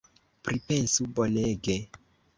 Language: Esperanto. Pripensu bonege!